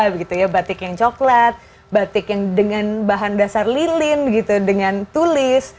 begitu ya batik yang coklat batik yang dengan bahan dasar lilin gitu dengan tulis